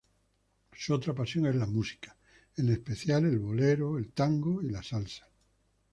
Su otra pasión es la música, en especial bolero, tango, y salsa.